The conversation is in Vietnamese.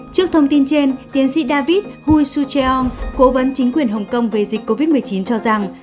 trước thông tin trên tiến sĩ david hui suu treom cố vấn chính quyền hồng kông về dịch covid một mươi chín cho rằng